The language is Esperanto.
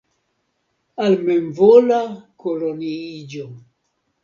Al memvola koloniiĝo.